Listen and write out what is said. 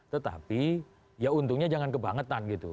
tetapi ya untungnya jangan kebangetan gitu